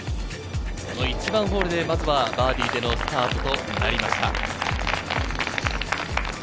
１番ホールで、まずはバーディーでのスタートとなりました。